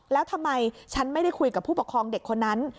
แล้วทำไมฉันไม่ได้คุยกับผู้ปกครองเด็กคนนั้น